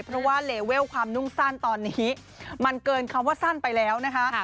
เพราะว่าเลเวลความนุ่งสั้นตอนนี้มันเกินคำว่าสั้นไปแล้วนะคะ